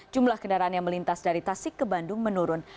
jumlah kendaraan yang melintas dari tasik ke bandung menurun